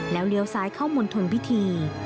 แล้วเลี้ยวซ้ายเข้ามณฑลพิธี